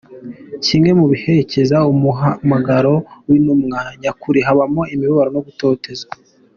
Kimwe mu biherekeza umuhamagaro w’intumwa nyakuri habamo imibabaro no gutotezwa.